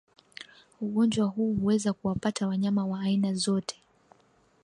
Ugonjwa huu huweza kuwapata wanyama wa aina zote